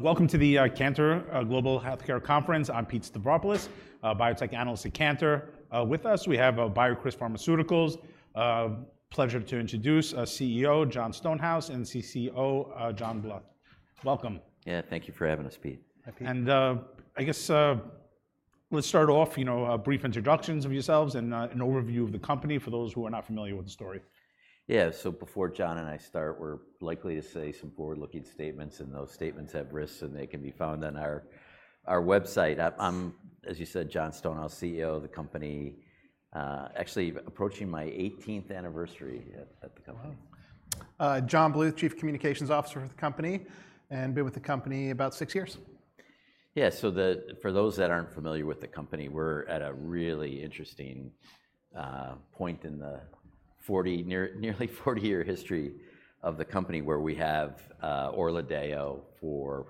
...Welcome to the Cantor Global Healthcare Conference. I'm Pete Stavropoulos, a biotech analyst at Cantor. With us, we have BioCryst Pharmaceuticals. A pleasure to introduce our CEO, Jon Stonehouse, and CCO, John Bluth. Welcome. Yeah, thank you for having us, Pete. Hi, Pete. I guess, let's start off, you know, brief introductions of yourselves and an overview of the company for those who are not familiar with the story. Yeah, so before John and I start, we're likely to say some forward-looking statements, and those statements have risks, and they can be found on our website. I'm, as you said, Jon Stonehouse, CEO of the company. Actually approaching my 18th anniversary at the company. Wow. John Bluth, Chief Communications Officer with the company, and been with the company about six years. Yeah, so for those that aren't familiar with the company, we're at a really interesting point in the nearly 40-year history of the company, where we have Orladeyo for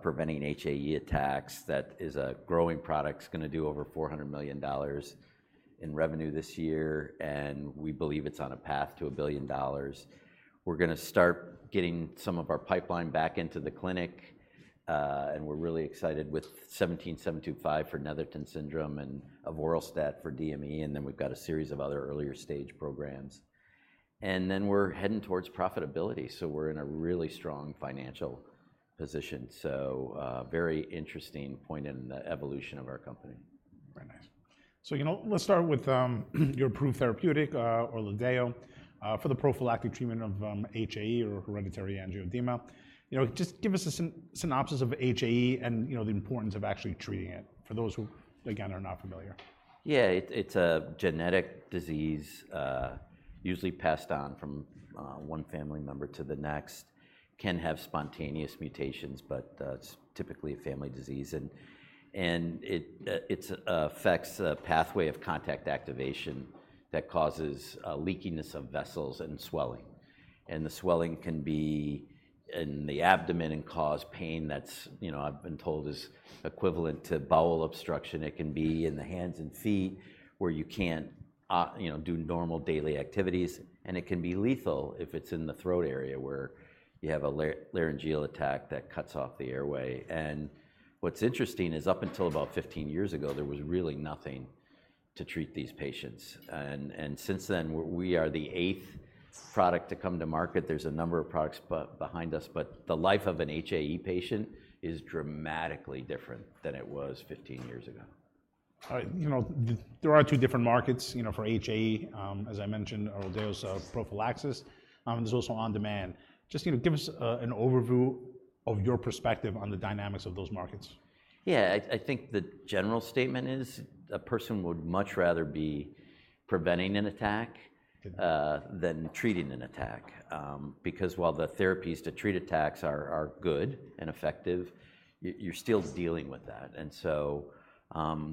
preventing HAE attacks. That is a growing product. It's gonna do over $400 million in revenue this year, and we believe it's on a path to $1 billion. We're gonna start getting some of our pipeline back into the clinic, and we're really excited with 17-725 for Netherton syndrome and avoralstat for DME, and then we've got a series of other earlier stage programs, and then we're heading towards profitability, so we're in a really strong financial position. So, a very interesting point in the evolution of our company. Very nice. So, you know, let's start with your approved therapeutic, Orladeyo, for the prophylactic treatment of HAE or hereditary angioedema. You know, just give us a synopsis of HAE and, you know, the importance of actually treating it, for those who, again, are not familiar. Yeah, it's a genetic disease, usually passed down from one family member to the next. It can have spontaneous mutations, but it's typically a family disease. It affects a pathway of contact activation that causes leakiness of vessels and swelling, and the swelling can be in the abdomen and cause pain that's, you know, I've been told is equivalent to bowel obstruction. It can be in the hands and feet, where you can't, you know, do normal daily activities, and it can be lethal if it's in the throat area, where you have a laryngeal attack that cuts off the airway. What's interesting is, up until about 15 years ago, there was really nothing to treat these patients. Since then, we are the eighth product to come to market. There's a number of products behind us, but the life of an HAE patient is dramatically different than it was 15 years ago. All right, you know, there are two different markets, you know, for HAE. As I mentioned, Orladeyo's- Mm... prophylaxis, and there's also on-demand. Just, you know, give us a, an overview of your perspective on the dynamics of those markets. Yeah, I think the general statement is, a person would much rather be preventing an attack. Mm... than treating an attack. Because while the therapies to treat attacks are good and effective, you're still dealing with that, and so,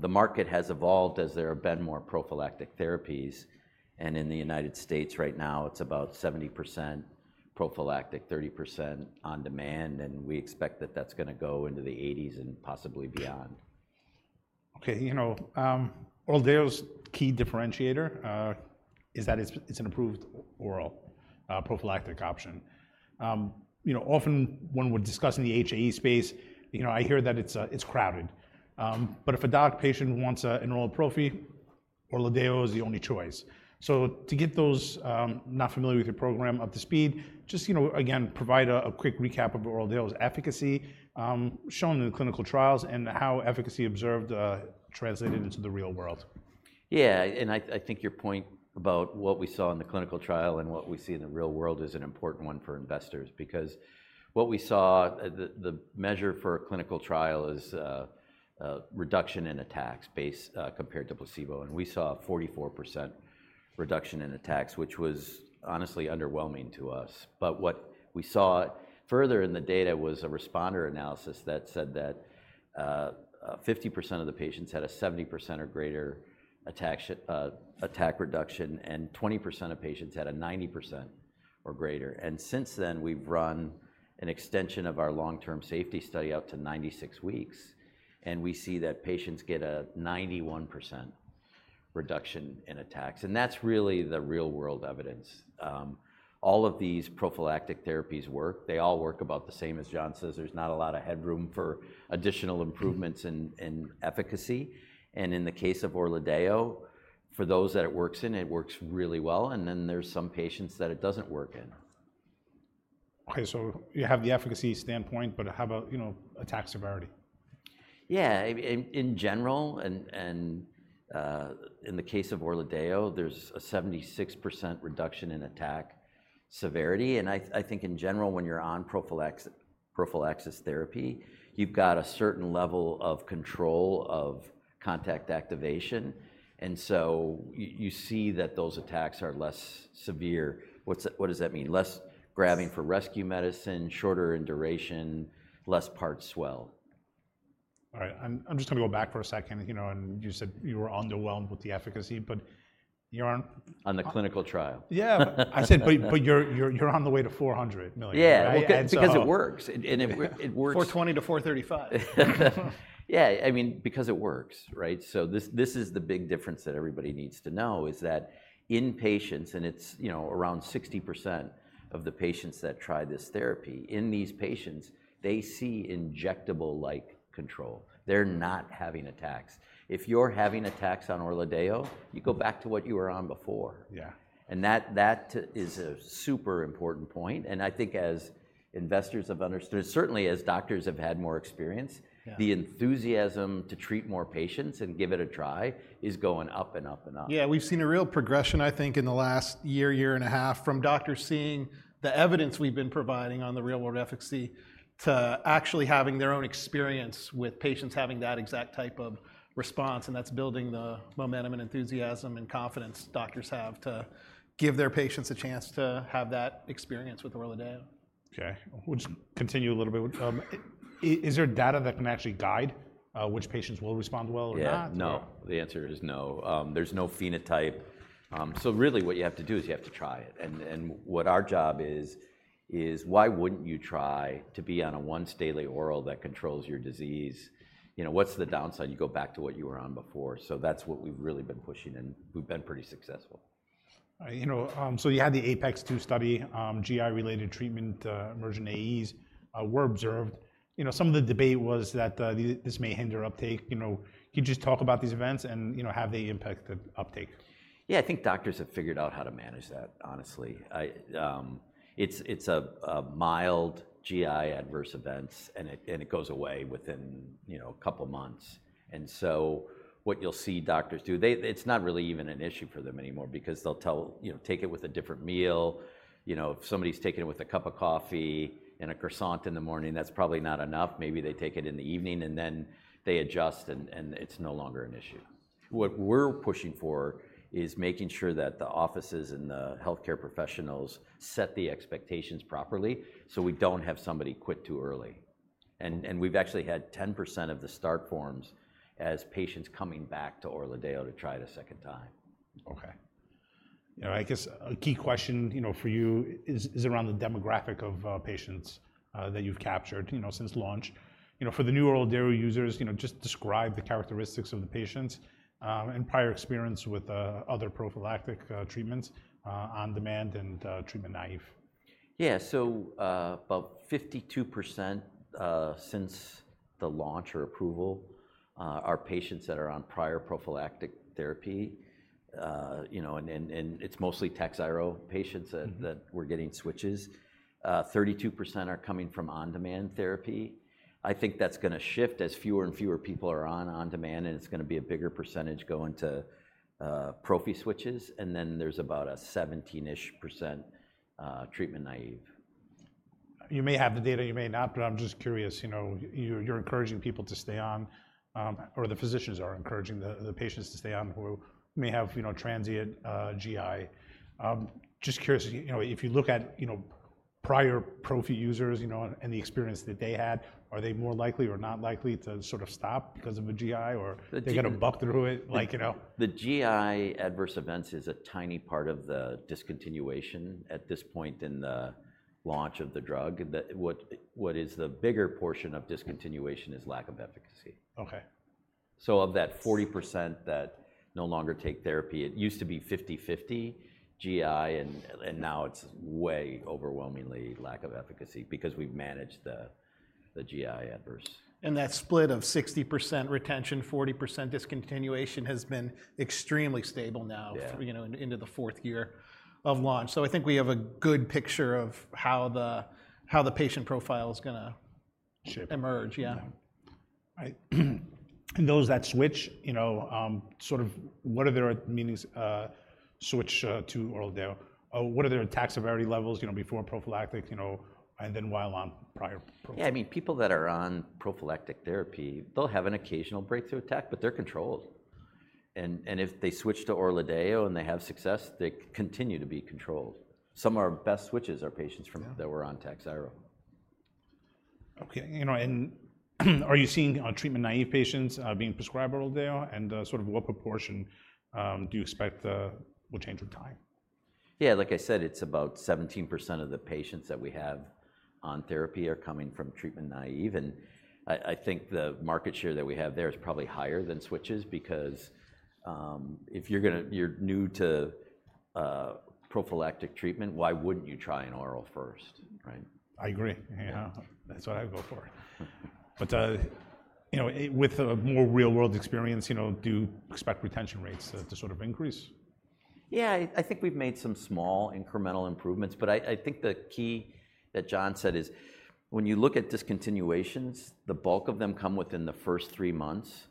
the market has evolved as there have been more prophylactic therapies. And in the United States right now, it's about 70% prophylactic, 30% on-demand, and we expect that that's gonna go into the 80s and possibly beyond. Okay. You know, Orladeyo's key differentiator is that it's an approved oral prophylactic option. You know, often when we're discussing the HAE space, you know, I hear that it's crowded. But if a doc patient wants an oral prophy, Orladeyo is the only choice. So to get those not familiar with your program up to speed, just, you know, again, provide a quick recap of Orladeyo's efficacy shown in the clinical trials, and how efficacy observed translated into the real world. Yeah, and I think your point about what we saw in the clinical trial and what we see in the real world is an important one for investors. Because what we saw, the measure for a clinical trial is reduction in attacks base compared to placebo, and we saw a 44% reduction in attacks, which was honestly underwhelming to us. But what we saw further in the data was a responder analysis that said that 50% of the patients had a 70% or greater attack reduction, and 20% of patients had a 90% or greater. And since then, we've run an extension of our long-term safety study up to 96 weeks, and we see that patients get a 91% reduction in attacks, and that's really the real-world evidence. All of these prophylactic therapies work. They all work about the same. As John says, there's not a lot of headroom for additional improvements in efficacy, and in the case of Orladeyo, for those that it works in, it works really well, and then there's some patients that it doesn't work in. Okay, so you have the efficacy standpoint, but how about, you know, attack severity? Yeah. In general, and in the case of Orladeyo, there's a 76% reduction in attack severity, and I think in general, when you're on prophylaxis therapy, you've got a certain level of control of contact activation, and so you see that those attacks are less severe. What's that... What does that mean? Less grabbing for rescue medicine, shorter in duration, less part swell. All right. I'm just gonna go back for a second. You know, and you said you were underwhelmed with the efficacy, but-... you're on- On the clinical trial. Yeah, I said, but you're on the way to 400 million, right? Yeah. And so- Because it works, and it works. 420 to 435. Yeah, I mean, because it works, right? So this, this is the big difference that everybody needs to know, is that in patients, and it's, you know, around 60% of the patients that try this therapy, in these patients, they see injectable-like control. They're not having attacks. If you're having attacks on Orladeyo, you go back to what you were on before. Yeah. That is a super important point, and I think as investors have understood. Certainly, as doctors have had more experience. Yeah... the enthusiasm to treat more patients and give it a try is going up and up and up. Yeah, we've seen a real progression, I think, in the last year, year and a half, from doctors seeing the evidence we've been providing on the real-world efficacy to actually having their own experience with patients having that exact type of response, and that's building the momentum and enthusiasm and confidence doctors have to give their patients a chance to have that experience with Orladeyo. Okay, we'll just continue a little bit. Is there data that can actually guide which patients will respond well or not? Yeah, no. The answer is no. There's no phenotype. So really what you have to do is you have to try it, and what our job is, is why wouldn't you try to be on a once daily oral that controls your disease? You know, what's the downside? You go back to what you were on before. So that's what we've really been pushing, and we've been pretty successful. You know, so you had the APeX-2 study. GI-related treatment-emergent AEs were observed. You know, some of the debate was that this may hinder uptake. You know, can you just talk about these events and have they impacted uptake? Yeah, I think doctors have figured out how to manage that, honestly. It's a mild GI adverse events, and it goes away within, you know, a couple months. So what you'll see doctors do, they. It's not really even an issue for them anymore because they'll tell, you know, take it with a different meal. You know, if somebody's taking it with a cup of coffee and a croissant in the morning, that's probably not enough. Maybe they take it in the evening, and then they adjust, and it's no longer an issue. What we're pushing for is making sure that the offices and the healthcare professionals set the expectations properly, so we don't have somebody quit too early. We've actually had 10% of the start forms as patients coming back to Orladeyo to try it a second time. Okay. You know, I guess a key question, you know, for you is, is around the demographic of patients that you've captured, you know, since launch. You know, for the new Orladeyo users, you know, just describe the characteristics of the patients, and prior experience with other prophylactic treatments, on-demand and treatment-naive. Yeah, so, about 52%, since the launch or approval, are patients that are on prior prophylactic therapy. You know, and it's mostly Takhzyro patients that- Mm-hmm... that we're getting switches. 32% are coming from on-demand therapy. I think that's gonna shift as fewer and fewer people are on on-demand, and it's gonna be a bigger percentage going to prophy switches, and then there's about a 17-ish%, treatment-naive. You may have the data, you may not, but I'm just curious, you know, you're encouraging people to stay on, or the physicians are encouraging the patients to stay on, who may have, you know, transient GI. Just curious, you know, if you look at, you know, prior prophy users, you know, and the experience that they had, are they more likely or not likely to sort of stop because of a GI, or- The GI-... they're gonna buck through it? Like, you know. The GI adverse events is a tiny part of the discontinuation at this point in the launch of the drug. The bigger portion of discontinuation is lack of efficacy. Okay. So of that 40% that no longer take therapy, it used to be 50/50 GI, and now it's way overwhelmingly lack of efficacy because we've managed the GI adverse. That split of 60% retention, 40% discontinuation, has been extremely stable now. Yeah... you know, into the fourth year of launch. So I think we have a good picture of how the patient profile is gonna- Shift... emerge, yeah. Yeah. Right. And those that switch, you know, sort of what are their reasons switch to Orladeyo? What are their attack severity levels, you know, before prophylactic, you know, and then while on prior prophylactic? Yeah, I mean, people that are on prophylactic therapy, they'll have an occasional breakthrough attack, but they're controlled. And, and if they switch to Orladeyo and they have success, they continue to be controlled. Some of our best switches are patients from- Yeah... that were on Takhzyro. Okay, you know, and are you seeing on treatment-naive patients being prescribed Orladeyo, and sort of what proportion do you expect will change with time? Yeah, like I said, it's about 17% of the patients that we have on therapy are coming from treatment-naive, and I think the market share that we have there is probably higher than switches because, if you're gonna... you're new to prophylactic treatment, why wouldn't you try an oral first, right? I agree. Yeah. Yeah. That's what I would go for. But, you know, with a more real-world experience, you know, do you expect retention rates to sort of increase? Yeah, I think we've made some small, incremental improvements, but I think the key that John said is, when you look at discontinuations, the bulk of them come within the first three months,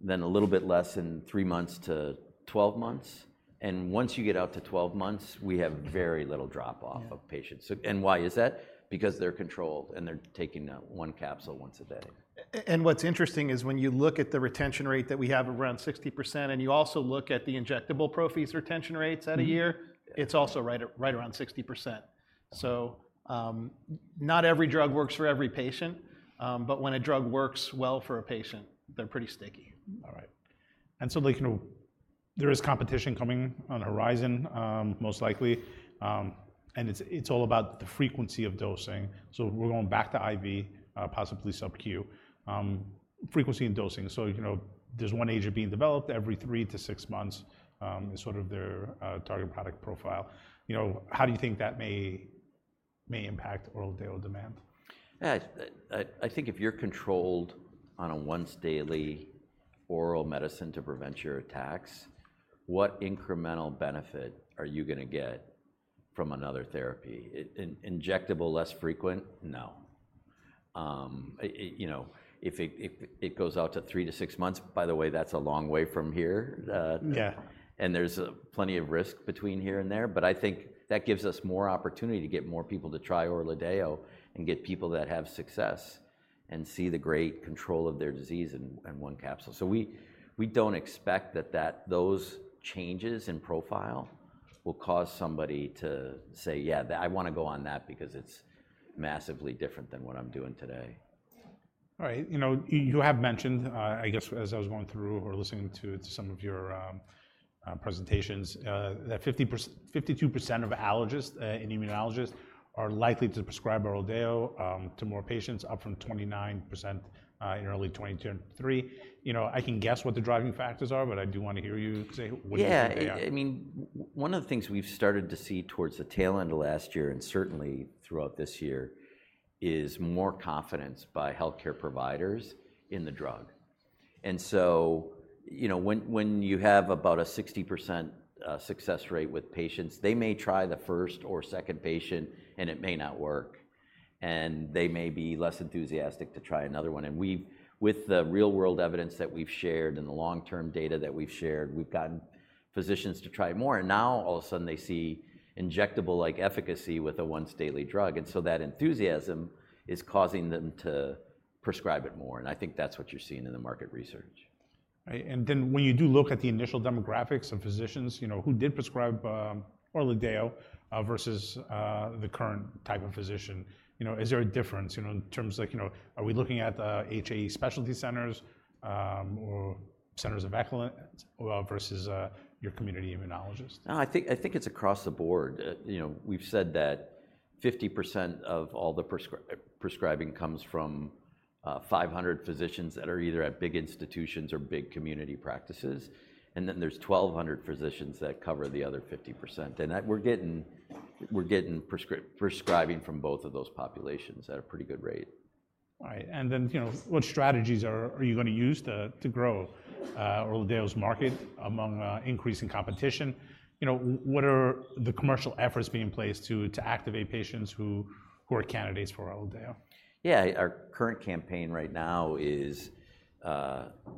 then a little bit less than three months to 12 months, and once you get out to 12 months, we have very little drop-off- Yeah... of patients. So and why is that? Because they're controlled, and they're taking, one capsule once a day. And what's interesting is when you look at the retention rate that we have around 60%, and you also look at the injectable prophy's retention rates at a year. Mm-hmm... it's also right around 60%. So, not every drug works for every patient, but when a drug works well for a patient, they're pretty sticky. Mm-hmm. All right. And so, like, you know, there is competition coming on the horizon, most likely, and it's, it's all about the frequency of dosing. So we're going back to IV, possibly sub-Q. Frequency and dosing, so, you know, there's one agent being developed every three to six months, is sort of their target product profile. You know, how do you think that may impact oral daily demand? Yeah, I think if you're controlled on a once-daily oral medicine to prevent your attacks, what incremental benefit are you gonna get from another therapy? Injectable, less frequent? No. You know, if it goes out to three to six months... By the way, that's a long way from here. Yeah. And there's plenty of risk between here and there, but I think that gives us more opportunity to get more people to try Orladeyo and get people that have success and see the great control of their disease in one capsule. So we don't expect that those changes in profile will cause somebody to say, "Yeah, that I wanna go on that because it's massively different than what I'm doing today. All right, you know, you have mentioned, I guess as I was going through or listening to some of your presentations, that 52% of allergists and immunologists are likely to prescribe Orladeyo to more patients, up from 29% in early 2022 and 2023. You know, I can guess what the driving factors are, but I do wanna hear you say what you think they are. Yeah, I mean, one of the things we've started to see towards the tail end of last year, and certainly throughout this year, is more confidence by healthcare providers in the drug. And so, you know, when you have about a 60% success rate with patients, they may try the first or second patient, and it may not work, and they may be less enthusiastic to try another one. And we've, with the real-world evidence that we've shared and the long-term data that we've shared, gotten physicians to try more. And now, all of a sudden, they see injectable-like efficacy with a once-daily drug, and so that enthusiasm is causing them to prescribe it more, and I think that's what you're seeing in the market research. Right. And then, when you do look at the initial demographics of physicians, you know, who did prescribe, Orladeyo, versus, the current type of physician, you know, is there a difference, you know, in terms of like, you know, are we looking at the HAE specialty centers, or centers of excellence, versus, your community immunologist? No, I think, I think it's across the board. You know, we've said that 50% of all the prescribing comes from 500 physicians that are either at big institutions or big community practices, and then there's 1,200 physicians that cover the other 50%. And that we're getting prescribing from both of those populations at a pretty good rate. All right, and then, you know, what strategies are you gonna use to grow Orladeyo's market among increasing competition? You know, what are the commercial efforts being placed to activate patients who are candidates for Orladeyo? Yeah, our current campaign right now is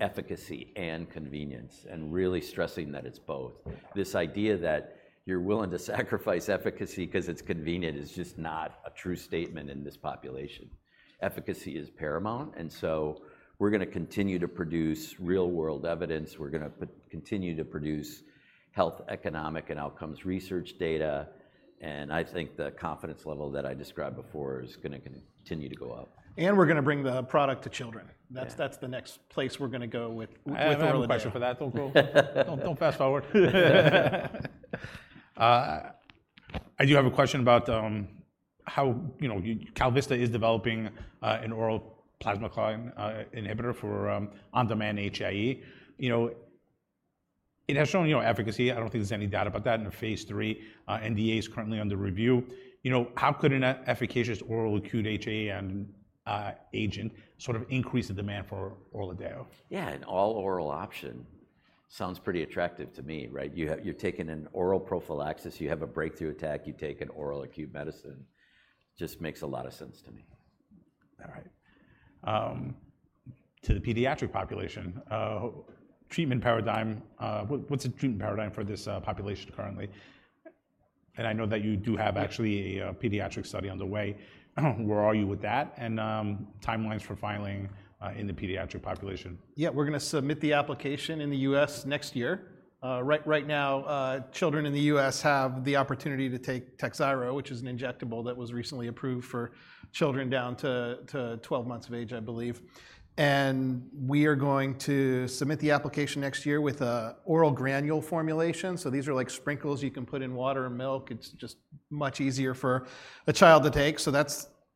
efficacy and convenience, and really stressing that it's both. This idea that you're willing to sacrifice efficacy 'cause it's convenient is just not a true statement in this population. Efficacy is paramount, and so we're gonna continue to produce real-world evidence. We're gonna continue to produce health, economic, and outcomes research data, and I think the confidence level that I described before is gonna continue to go up. We're gonna bring the product to children. Yeah. That's the next place we're gonna go with Orladeyo. I have a question for that, though. I do have a question about, how, you know, KalVista is developing an oral plasma kallikrein inhibitor for on-demand HAE. You know, it has shown, you know, efficacy. I don't think there's any doubt about that. In the phase III, NDA is currently under review. You know, how could an efficacious oral acute HAE agent sort of increase the demand for Orladeyo? Yeah, an all-oral option sounds pretty attractive to me, right? You're taking an oral prophylaxis. You have a breakthrough attack, you take an oral acute medicine. Just makes a lot of sense to me. All right. To the pediatric population, treatment paradigm, what, what's the treatment paradigm for this population currently? And I know that you do have actually a pediatric study on the way. Where are you with that, and timelines for filing in the pediatric population? Yeah, we're gonna submit the application in the U.S. next year. Right now, children in the U.S. have the opportunity to take Takhzyro, which is an injectable that was recently approved for children down to 12 months of age, I believe, and we are going to submit the application next year with an oral granule formulation. So these are like sprinkles you can put in water or milk. It's just much easier for a child to take, so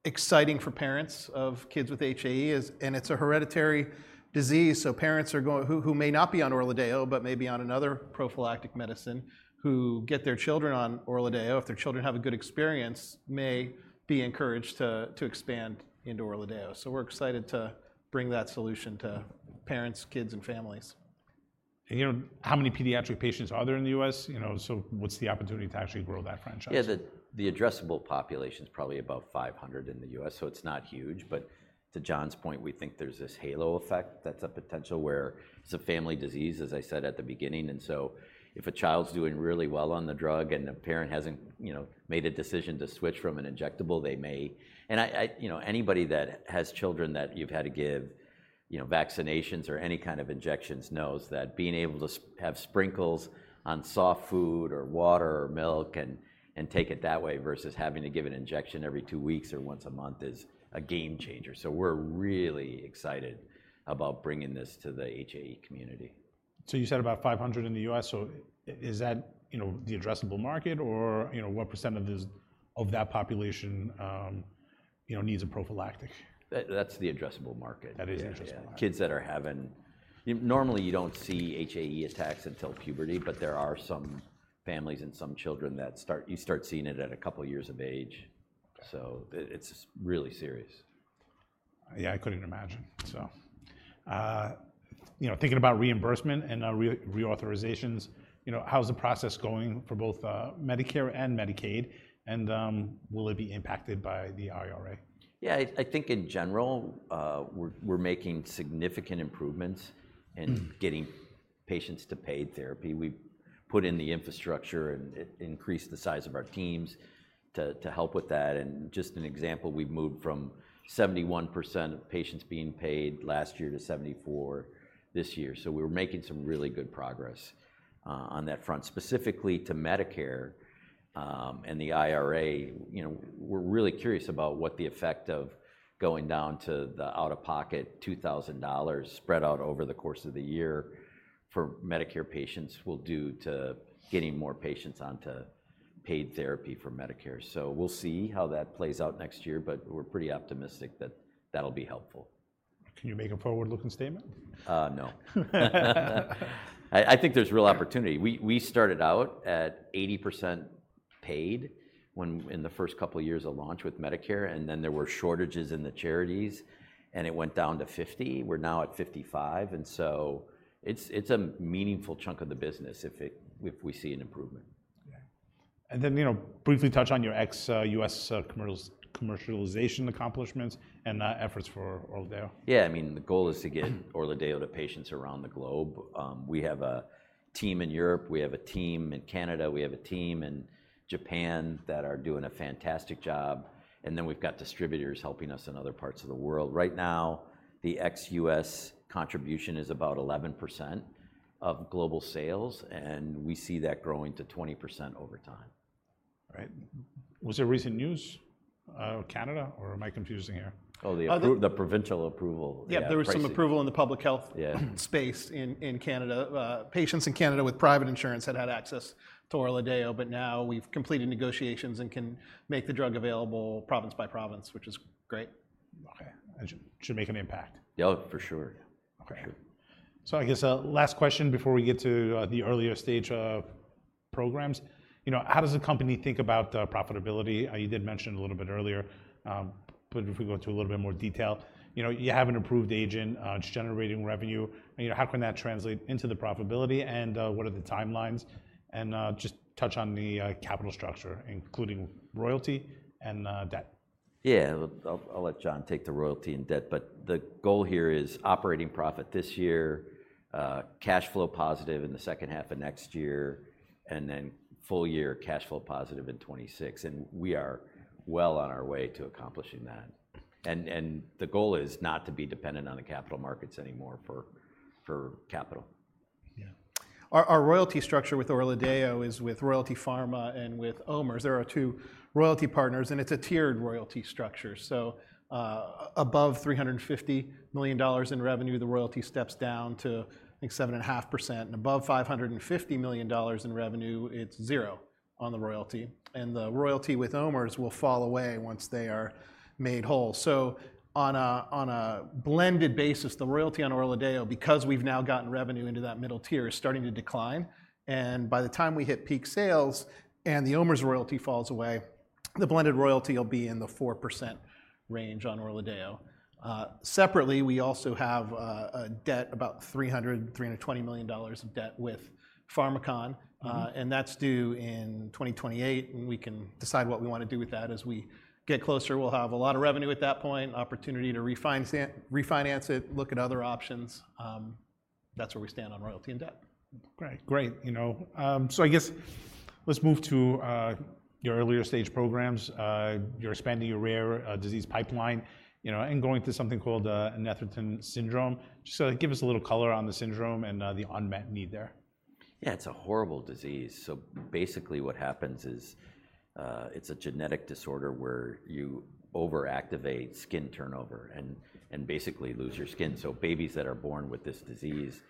that's exciting for parents of kids with HAE, and it's a hereditary disease, so parents who may not be on Orladeyo, but may be on another prophylactic medicine, who get their children on Orladeyo, if their children have a good experience, may be encouraged to expand into Orladeyo. So we're excited to bring that solution to parents, kids, and families. And you know, how many pediatric patients are there in the U.S.? You know, so what's the opportunity to actually grow that franchise? Yeah, the addressable population is probably about 500 in the U.S., so it's not huge. But to John's point, we think there's this halo effect that's a potential where it's a family disease, as I said at the beginning, and so if a child's doing really well on the drug, and the parent hasn't, you know, made a decision to switch from an injectable, they may, and I, you know, anybody that has children that you've had to give, you know, vaccinations or any kind of injections, knows that being able to have sprinkles on soft food or water or milk and take it that way, versus having to give an injection every two weeks or once a month is a game changer. So we're really excited about bringing this to the HAE community. So you said about five hundred in the U.S., so is that, you know, the addressable market? Or, you know, what percentage is of that population, needs a prophylactic? That's the addressable market. That is the addressable market. Yeah, yeah. Kids that are having... normally, you don't see HAE attacks until puberty, but there are some families and some children that you start seeing it at a couple years of age. Okay. It's really serious. Yeah, I couldn't imagine. So, you know, thinking about reimbursement and reauthorizations, you know, how's the process going for both Medicare and Medicaid, and will it be impacted by the IRA? Yeah, I think in general, we're making significant improvements- Mm... in getting patients to paid therapy. We've put in the infrastructure and increased the size of our teams to help with that. And just an example, we've moved from 71% of patients being paid last year to 74% this year. So we're making some really good progress on that front. Specifically to Medicare and the IRA, you know, we're really curious about what the effect of going down to the out-of-pocket $2,000 spread out over the course of the year for Medicare patients will do to getting more patients onto paid therapy for Medicare. So we'll see how that plays out next year, but we're pretty optimistic that that'll be helpful. Can you make a forward-looking statement? No. I think there's real opportunity. We started out at 80% paid when in the first couple of years of launch with Medicare, and then there were shortages in the charities, and it went down to 50%. We're now at 55%, and so it's a meaningful chunk of the business if we see an improvement. Yeah. Then, you know, briefly touch on your ex-U.S. commercialization accomplishments and efforts for Orladeyo. Yeah, I mean, the goal is to get Orladeyo to patients around the globe. We have a team in Europe, we have a team in Canada, we have a team in Japan that are doing a fantastic job, and then we've got distributors helping us in other parts of the world. Right now, the ex-U.S. contribution is about 11% of global sales, and we see that growing to 20% over time. Right. Was there recent news out of Canada, or am I confusing here? Oh, the appro- Other-... the provincial approval. Yeah, pricing. Yeah, there was some approval in the public health- Yeah... space in Canada. Patients in Canada with private insurance had access to Orladeyo, but now we've completed negotiations and can make the drug available province by province, which is great. Okay. And should make an impact. Oh, for sure. Okay. Sure. I guess last question before we get to the earlier stage programs. You know, how does the company think about profitability? You did mention a little bit earlier, but if we go into a little bit more detail. You know, you have an approved agent. It's generating revenue, and you know, how can that translate into the profitability, and what are the timelines? And just touch on the capital structure, including royalty and debt. Yeah. I'll let John take the royalty and debt, but the goal here is operating profit this year, cash flow positive in the second half of next year, and then full-year cash flow positive in 2026. And we are well on our way to accomplishing that. And the goal is not to be dependent on the capital markets anymore for capital. Yeah. Our royalty structure with Orladeyo is with Royalty Pharma and with OMERS. They're our two royalty partners, and it's a tiered royalty structure. So, above $350 million in revenue, the royalty steps down to, I think, 7.5%, and above $550 million in revenue, it's zero on the royalty. And the royalty with OMERS will fall away once they are made whole. So on a blended basis, the royalty on Orladeyo, because we've now gotten revenue into that middle tier, is starting to decline, and by the time we hit peak sales and the OMERS royalty falls away, the blended royalty will be in the 4% range on Orladeyo. Separately, we also have a debt, about $320 million of debt with Pharmakon. Mm and that's due in 2028, and we can decide what we wanna do with that. As we get closer, we'll have a lot of revenue at that point, opportunity to refinance it, look at other options. That's where we stand on royalty and debt. Great, great. You know, so I guess let's move to your earlier stage programs. You're expanding your rare disease pipeline, you know, and going through something called Netherton syndrome. Just give us a little color on the syndrome and the unmet need there. Yeah, it's a horrible disease. So basically, what happens is, it's a genetic disorder where you overactivate skin turnover and basically lose your skin. So babies that are born with this disease,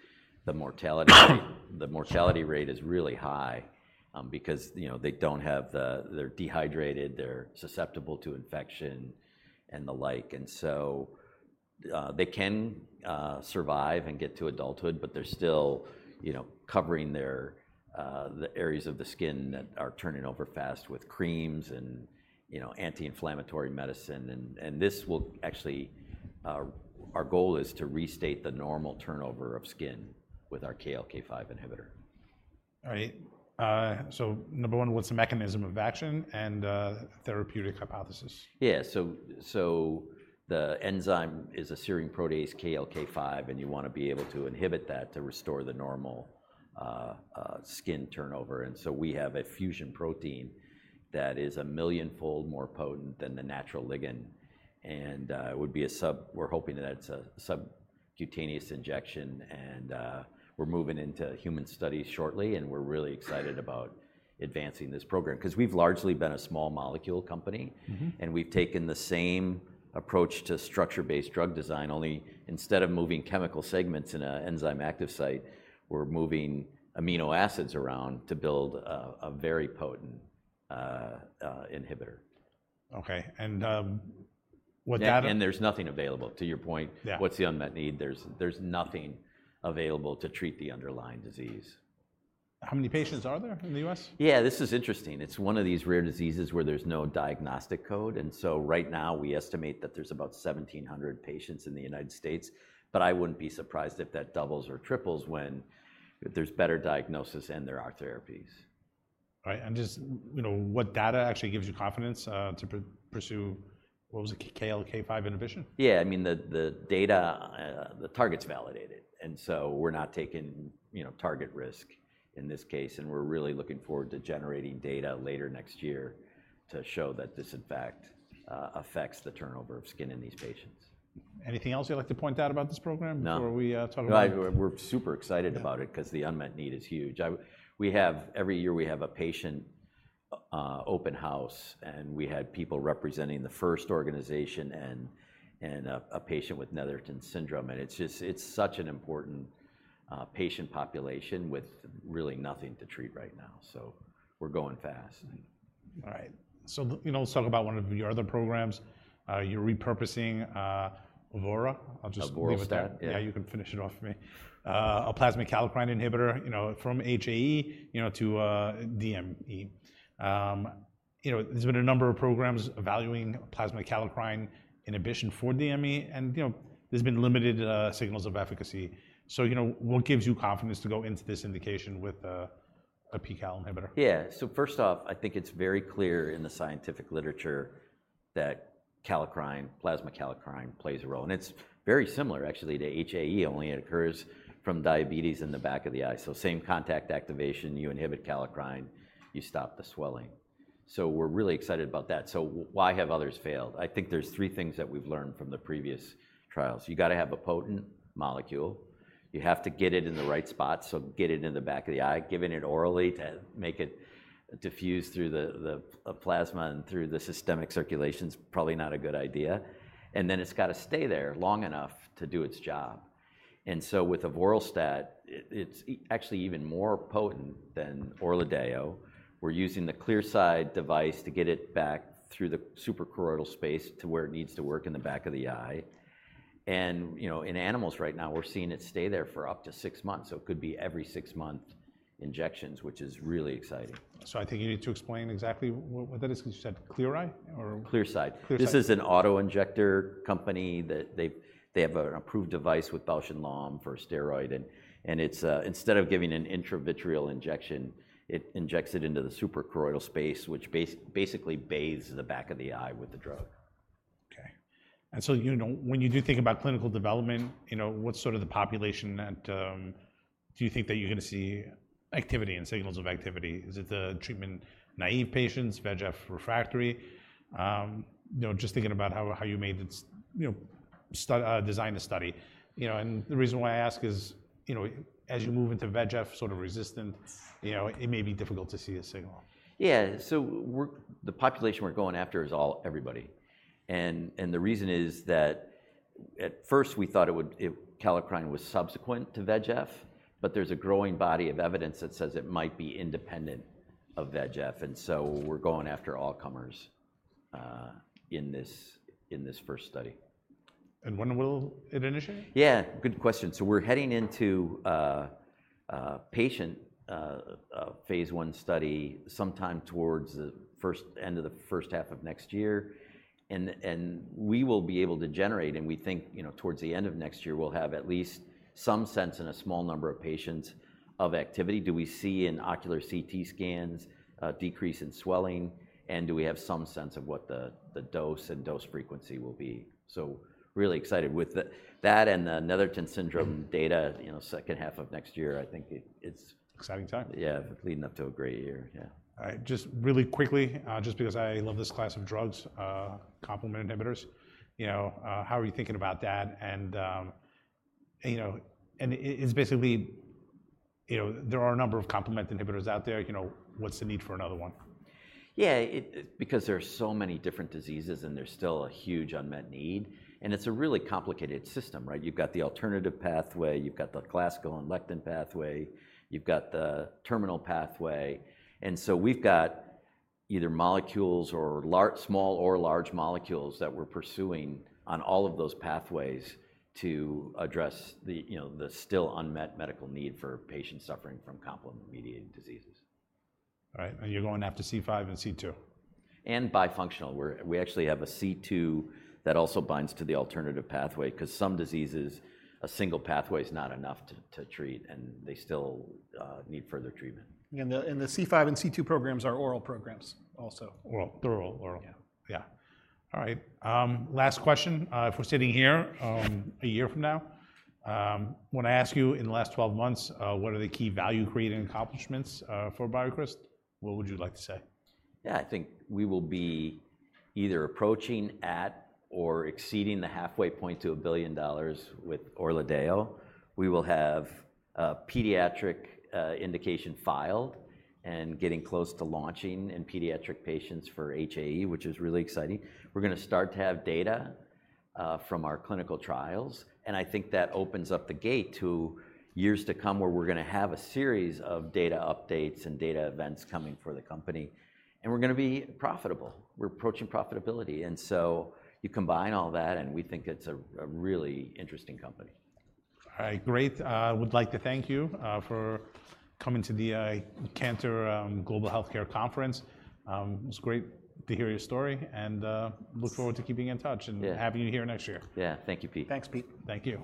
the mortality rate is really high, because, you know, they don't have the... They're dehydrated, they're susceptible to infection, and the like. And so, they can survive and get to adulthood, but they're still, you know, covering their the areas of the skin that are turning over fast with creams and, you know, anti-inflammatory medicine. And this will actually. Our goal is to restate the normal turnover of skin with our KLK5 inhibitor. All right. So number one, what's the mechanism of action and therapeutic hypothesis? Yeah, so, so the enzyme is a serine protease, KLK5, and you wanna be able to inhibit that to restore the normal skin turnover. And so we have a fusion protein that is a millionfold more potent than the natural ligand, and it would be a sub- We're hoping that it's a sub- ...cutaneous injection, and we're moving into human studies shortly, and we're really excited about advancing this program. 'Cause we've largely been a small molecule company. Mm-hmm. We've taken the same approach to structure-based drug design, only instead of moving chemical segments in an enzyme active site, we're moving amino acids around to build a very potent inhibitor. Okay, and, what data- There's nothing available, to your point. Yeah. What's the unmet need? There's nothing available to treat the underlying disease. How many patients are there in the U.S.? Yeah, this is interesting. It's one of these rare diseases where there's no diagnostic code, and so right now we estimate that there's about 1,700 patients in the United States. But I wouldn't be surprised if that doubles or triples when there's better diagnosis and there are therapies. Right, and just, you know, what data actually gives you confidence to pursue, what was it, KLK5 inhibition? Yeah, I mean, the data, the target's validated, and so we're not taking, you know, target risk in this case, and we're really looking forward to generating data later next year to show that this in fact affects the turnover of skin in these patients. Anything else you'd like to point out about this program? No... before we talk about it? No, we're super excited about it. Yeah... 'cause the unmet need is huge. We have, every year we have a patient open house, and we had people representing the FIRST organization and a patient with Netherton syndrome, and it's just such an important patient population with really nothing to treat right now. So we're going fast. All right. So you know, let's talk about one of your other programs. You're repurposing avoralstat. I'll just- Vorolstat, yeah... Yeah, you can finish it off for me. A plasma kallikrein inhibitor, you know, from HAE, you know, to DME. You know, there's been a number of programs evaluating plasma kallikrein inhibition for DME, and you know, there's been limited signals of efficacy. So, you know, what gives you confidence to go into this indication with a pKal inhibitor? Yeah, so first off, I think it's very clear in the scientific literature that kallikrein, plasma kallikrein, plays a role, and it's very similar actually to HAE, only it occurs from diabetes in the back of the eye. So same contact activation, you inhibit kallikrein, you stop the swelling. So we're really excited about that. So why have others failed? I think there's three things that we've learned from the previous trials. You've got to have a potent molecule. You have to get it in the right spot, so get it in the back of the eye. Giving it orally to make it diffuse through the plasma and through the systemic circulation is probably not a good idea. And then it's got to stay there long enough to do its job. And so with avoralstat, it's actually even more potent than Orladeyo. We're using the Clearside device to get it back through the suprachoroidal space to where it needs to work in the back of the eye. And, you know, in animals right now, we're seeing it stay there for up to six months, so it could be every six-month injections, which is really exciting. So I think you need to explain exactly what that is. You said Clearside or? Clearside. Clearside. This is an auto-injector company that they have an approved device with Bausch + Lomb for a steroid, and it's instead of giving an intravitreal injection, it injects it into the suprachoroidal space, which basically bathes the back of the eye with the drug. Okay. And so, you know, when you do think about clinical development, you know, what's sort of the population that do you think that you're gonna see activity and signals of activity? Is it the treatment-naive patients, VEGF refractory? You know, just thinking about how you designed the study. You know, and the reason why I ask is, you know, as you move into VEGF sort of resistant, you know, it may be difficult to see a signal. Yeah, so we're... The population we're going after is all, everybody. And the reason is that at first we thought it would, it, kallikrein was subsequent to VEGF, but there's a growing body of evidence that says it might be independent of VEGF, and so we're going after all comers in this first study. When will it initiate? Yeah, good question. So we're heading into a patient phase I study sometime towards the end of the first half of next year. And we will be able to generate, and we think, you know, towards the end of next year, we'll have at least some sense in a small number of patients of activity. Do we see in ocular CT scans a decrease in swelling? And do we have some sense of what the dose and dose frequency will be? So really excited. With that and the Netherton syndrome data, you know, second half of next year, I think it's- Exciting time. Yeah, leading up to a great year. Yeah. All right, just really quickly, just because I love this class of drugs, complement inhibitors, you know, how are you thinking about that? And, you know, and it's basically, you know, there are a number of complement inhibitors out there. You know, what's the need for another one? Yeah, it because there are so many different diseases, and there's still a huge unmet need, and it's a really complicated system, right? You've got the alternative pathway. You've got the classical and lectin pathway. You've got the terminal pathway. And so we've got either molecules or small or large molecules that we're pursuing on all of those pathways to address the, you know, the still unmet medical need for patients suffering from complement-mediated diseases. All right, and you're going after C5 and C2? Bifunctional, where we actually have a C2 that also binds to the alternative pathway. 'Cause some diseases, a single pathway is not enough to treat, and they still need further treatment. And the C5 and C2 programs are oral programs also? Oral. They're oral. Yeah. Yeah. All right, last question. If we're sitting here a year from now, when I ask you, in the last twelve months, what are the key value-creating accomplishments for BioCryst, what would you like to say? Yeah, I think we will be either approaching at or exceeding the halfway point to $1 billion with Orladeyo. We will have a pediatric indication filed and getting close to launching in pediatric patients for HAE, which is really exciting. We're gonna start to have data from our clinical trials, and I think that opens up the gate to years to come, where we're gonna have a series of data updates and data events coming for the company. And we're gonna be profitable. We're approaching profitability, and so you combine all that, and we think it's a really interesting company. All right, great. I would like to thank you for coming to the Cantor Global Healthcare Conference. It's great to hear your story, and look forward to keeping in touch- Yeah... and having you here next year. Yeah. Thank you, Pete. Thanks, Pete. Thank you.